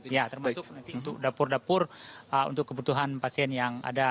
ya termasuk nanti untuk dapur dapur untuk kebutuhan pasien yang ada